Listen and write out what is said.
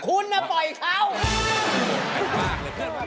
คุณปล่อยเขา